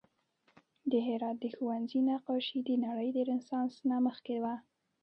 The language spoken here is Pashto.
د هرات د ښوونځي نقاشي د نړۍ د رنسانس نه مخکې وه